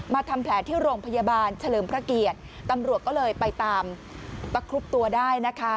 ทำแผลที่โรงพยาบาลเฉลิมพระเกียรติตำรวจก็เลยไปตามประคลุกตัวได้นะคะ